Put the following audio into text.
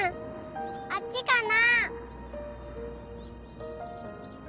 あっちかな？